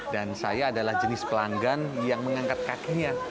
dan saya adalah jenis pelanggan yang mengangkat kakinya